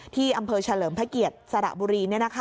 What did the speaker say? ที่อำเภอเฉลิมพระเกียรติสระบุรี